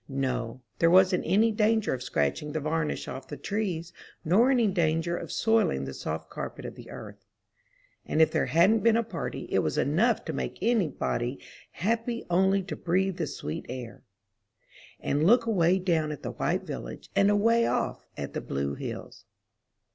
No, there wasn't any danger of scratching the varnish off the trees, nor any danger of soiling the soft carpet of the earth. And if there hadn't been a party, it was enough to make any body happy only to breathe the sweet air, and look away down at the white village, and away off at the blue hills.